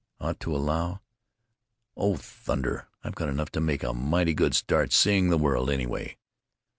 Ought to allow——Oh, thunder! I've got enough to make a mighty good start seeing the world, anyway."